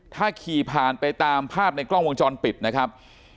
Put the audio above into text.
ถ้าขี่ผ่านไปตามภาพในกล้องวงจรปิดนะครับ